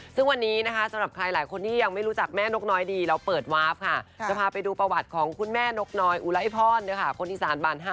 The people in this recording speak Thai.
ซึ่งวันนี้นะคะสำหรับใครหลายคนที่ยังไม่รู้จักแม่นกน้อยดีแล้วเปิดวาร์ฟค่ะ